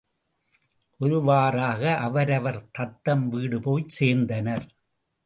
ஒருவாறாக அவரவர் தத்தம் வீடு போய்ச் சேர்ந்தனர்.